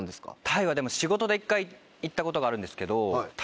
タイは仕事で１回行ったことがあるんですけど。